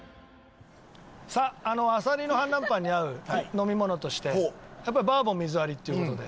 あさりの反乱パンに合う飲み物としてやっぱりバーボン水割りっていう事で。